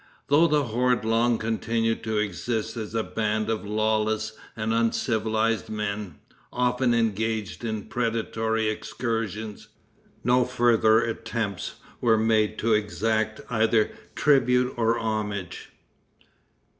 Though the horde long continued to exist as a band of lawless and uncivilized men, often engaged in predatory excursions, no further attempts were made to exact either tribute or homage.